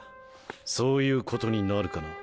そういうことになるかな。